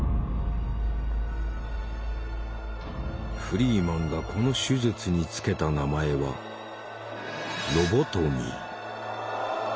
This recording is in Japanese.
フリーマンがこの手術に付けた名前は「ロボトミー」。